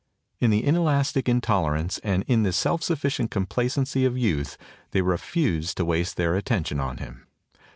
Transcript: In the inelastic intolerance and in the self sufficient complacency of youth they refuse to waste their attention on him.